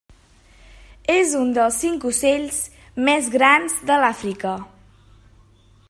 És un dels cinc ocells més grans de l'Àfrica.